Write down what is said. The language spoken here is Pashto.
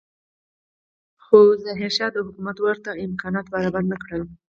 خو ظاهرشاه حکومت ورته امکانات برابر نه کړل.